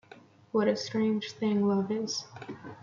What a strange thing love is!